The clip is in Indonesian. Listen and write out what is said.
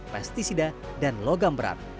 pesticida dan logam berat